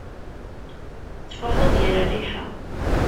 Tettfuḥu-d yir rriḥa.